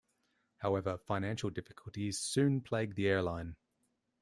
However, financial difficulties soon plagued the airline.